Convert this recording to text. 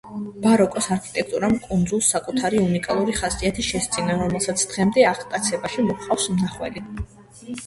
ბაროკოს არქიტექტურამ კუნძულს საკუთარი უნიკალური ხასიათი შესძინა, რომელსაც დღემდე აღტაცებაში მოჰყავს მნახველი.